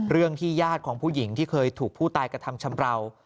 เรื่องที่ญาติของผู้หญิงที่เคยถูกผู้ตายกระทำชำราว